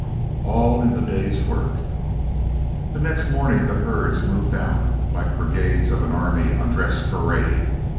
ALL IN THE DAY'S WORK The next morning the herds moved out like brigades of an army on dress parade.